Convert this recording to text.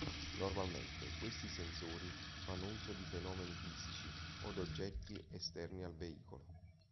Normalmente questi sensori fanno uso di fenomeni fisici od oggetti esterni al veicolo.